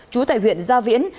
chú tại huyện gia viễn